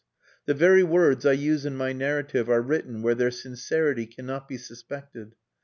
The very words I use in my narrative are written where their sincerity cannot be suspected.